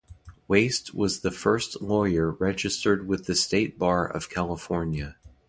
Waste was the first lawyer registered with the State Bar of California.